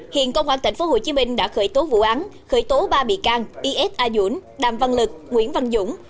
hiện công an tp hcm đã khởi tố vụ án khởi tố ba bị can isa dũng đàm văn lực nguyễn văn dũng